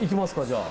じゃあ。